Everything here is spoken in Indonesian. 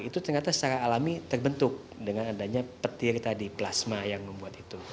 itu ternyata secara alami terbentuk dengan adanya petir tadi plasma yang membuat itu